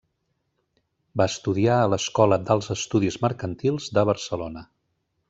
Va estudiar a l'Escola d'Alts Estudis Mercantils de Barcelona.